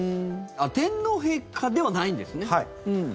天皇陛下ではないんですね。